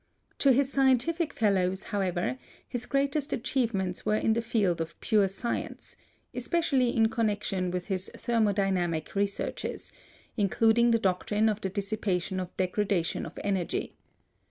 To his scientific fellows, however, his greatest achievements were in the field of pure science, especially in connection with his thermodynamic researches, including the doctrine of the dissipation or degradation of energy.